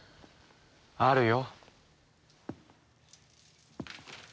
あるよ。